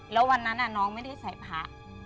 แล้ววันนั้นน้องไม่ได้ใส่พระ